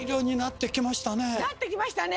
なってきましたね！